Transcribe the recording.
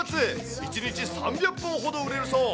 １日３００本ほど売れるそう。